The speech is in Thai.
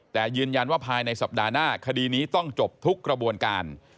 แต่ยืนยันว่าภายในสัปดาห์หน้าคดีนี้ต้องจบทุกกระบวนการ